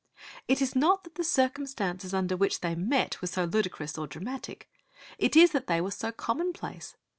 It is not that the circumstances under which they met were so ludicrous or dramatic; it is that they were so commonplace.